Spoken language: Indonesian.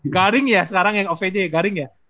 garing ya sekarang yang ovj ya garing ya